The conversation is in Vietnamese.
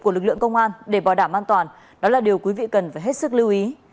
của lực lượng công an để bảo đảm an toàn đó là điều quý vị cần phải hết sức lưu ý